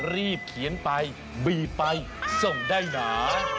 รีบเขียนไปบีบไปส่งได้หนา